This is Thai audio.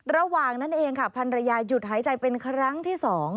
ระหว่างนั้นเองค่ะพันรยาหยุดหายใจเป็นครั้งที่๒